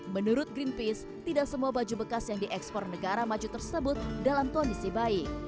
menurut greenpeace tidak semua baju bekas yang diekspor negara maju tersebut dalam kondisi baik